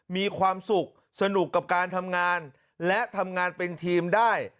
มีความสุขสนุกกับการทำงานและทำงานเป็นทีมได้